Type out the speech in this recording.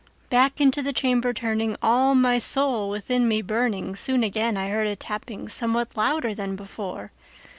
Back into the chamber turning, all my soul within me burning, Soon again I heard a tapping somewhat louder than before.